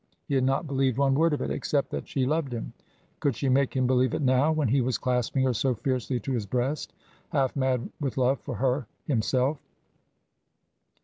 He had not believed one word of it, except that she loved him. Could she make him believe it now, when he was clasping her so fiercely to his breast, half mad with love for her himself?